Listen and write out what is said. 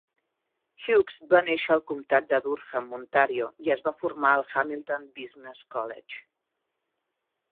Hughes va néixer al comtat de Durham, Ontario, i es va formar al Hamilton Business College.